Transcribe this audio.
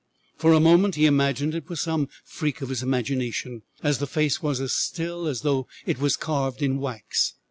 For a moment he imagined it was some freak of his imagination, as the face was as still as though it was carved in wax.